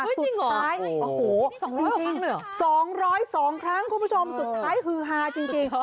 จริงเหรอโอ้โฮจริง๒๐๒ครั้งคุณผู้ชมสุดท้ายฮือฮาจริง